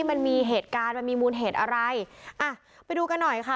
มันมีเหตุการณ์มันมีมูลเหตุอะไรอ่ะไปดูกันหน่อยค่ะ